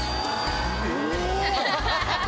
お！